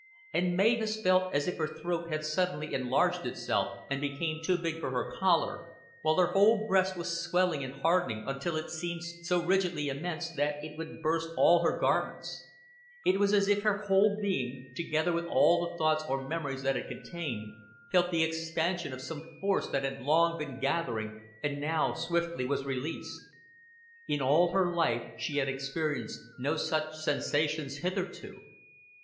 And Mavis felt as if her throat had suddenly enlarged itself and become too big for her collar, while her whole breast was swelling and hardening until it seemed so rigidly immense that it would burst all her garments; it was as if her whole being, together with all the thoughts or memories that it contained felt the expansion of some force that had been long gathering and now swiftly was released. In all her life she had experienced no such sensations hitherto.